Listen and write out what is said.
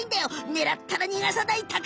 ねらったら逃がさないタカ。